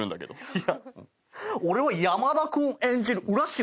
いや俺は山田君演じる浦島